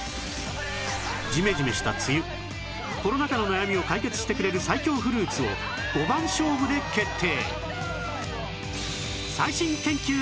じめじめした梅雨コロナ禍の悩みを解決してくれる最強フルーツを５番勝負で決定